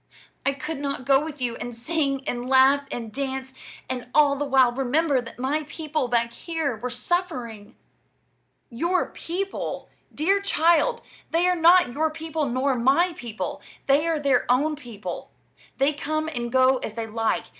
I could not go with you and sing and laugh and dance, and all the while remember that my people back here were suffering." "Your people! Dear child, they are not your people nor my people; they are their own people. They come and go as they like.